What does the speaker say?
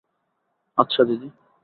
আচ্ছা, দিদি।